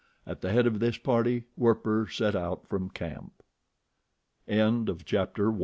At the head of this party Werper set out from camp. CHAPTER II.